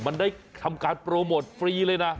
มันได้ทำการโปรโมทฟรีเลยนะ